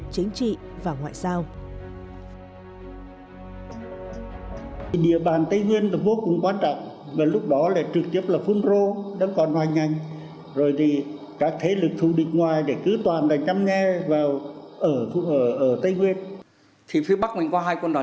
chính trị và ngoại giao